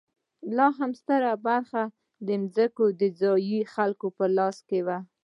لا هم ستره برخه ځمکې د ځايي خلکو په لاس کې وه.